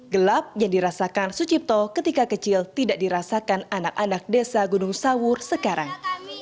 gelap yang dirasakan sucipto ketika kecil tidak dirasakan anak anak desa gunung sawur sekarang